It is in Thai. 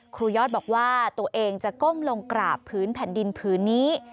ยอดบอกว่าตัวเองจะก้มลงกราบพื้นแผ่นดินผืนนี้